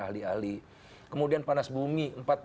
ahli ahli kemudian panas bumi